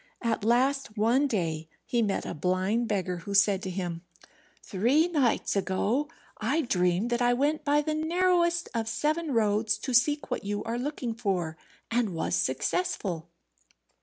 At last, one day he met a blind beggar, who said to him, "Three nights ago I dreamed that I went by the narrowest of seven roads to seek what you are looking for, and was successful."